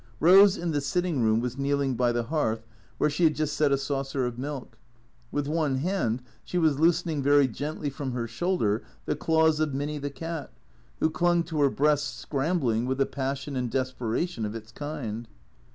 Rose in the sitting room was kneeling by the hearth where she had just set a saucer of milk. With one hand she was loosening very gently from her shoulder the claws of Minny the cat, who clung to her breast, scrambling, with the passion 200 T H E C E E A T 0 R S and desperation of his kind.